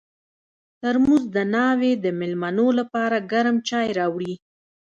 ترموز د ناوې د مېلمنو لپاره ګرم چای راوړي.